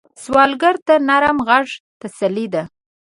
سوالګر ته نرم غږ تسلي ده